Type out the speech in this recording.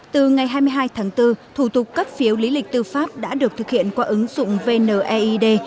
từ ngày hai mươi hai tháng bốn thủ tục cấp phiếu lý lịch tư pháp đã được thực hiện qua ứng dụng vneid